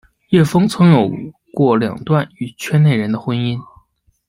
叶枫曾有过两段与圈内人的婚姻。